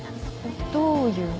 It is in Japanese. どういう。